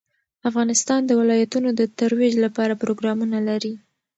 افغانستان د ولایتونو د ترویج لپاره پروګرامونه لري.